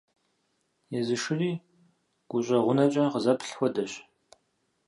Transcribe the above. Езы шыри гущӀэгъунэкӀэ къызэплъ хуэдэщ.